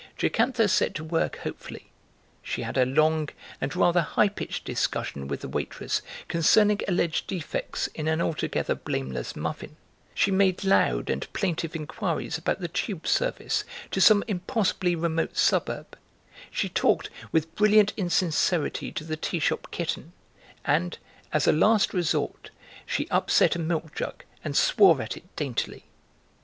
Jocantha set to work hopefully; she had a long and rather high pitched discussion with the waitress concerning alleged defects in an altogether blameless muffin, she made loud and plaintive inquiries about the tube service to some impossibly remote suburb, she talked with brilliant insincerity to the tea shop kitten, and as a last resort she upset a milk jug and swore at it daintily.